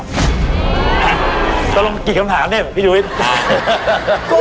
ต้องลงกี่คำถามเนี่ยเหมือนพี่ยุวิทย์